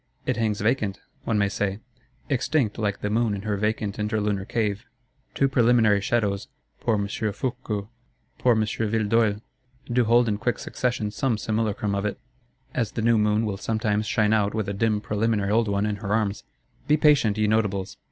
It hangs vacant, one may say; extinct, like the Moon in her vacant interlunar cave. Two preliminary shadows, poor M. Fourqueux, poor M. Villedeuil, do hold in quick succession some simulacrum of it,—as the new Moon will sometimes shine out with a dim preliminary old one in her arms. Be patient, ye Notables!